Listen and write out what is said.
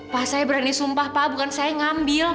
pak saya berani sumpah pak bukan saya ngambil